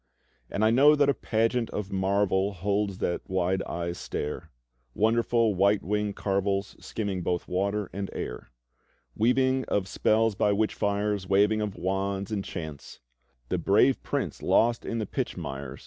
And I know that a pageant of marvel Holds that wide eyes stare: Wonderful white winged carvels, Skimming both water and air; OF ACTIONS BRAVE AND STRONG Weaving of spells by witch fires. Waving of wands, and chants; The Brave Prince lost in the pitch mires.